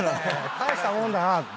大したもんだなって。